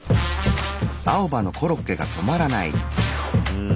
うん。